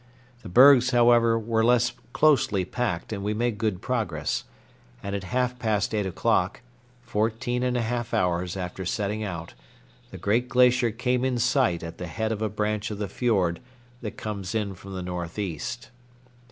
The bergs, however, were less closely packed and we made good progress, and at half past eight o'clock, fourteen and a half hours after setting out, the great glacier came in sight at the head of a branch of the fiord that comes in from the northeast.